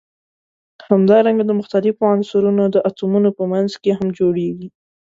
همدارنګه د مختلفو عنصرونو د اتومونو په منځ کې هم جوړیږي.